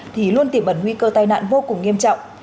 thì luôn tiềm ẩn nguy cơ tai nạn vô cùng nghiêm trọng